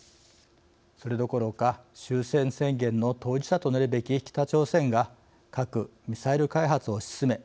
それどころか終戦宣言の当事者となるべき北朝鮮が核・ミサイル開発を推し進め